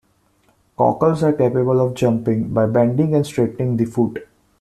Cockles are capable of "jumping" by bending and straightening the foot.